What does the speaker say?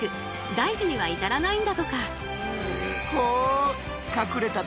大事には至らないんだとか。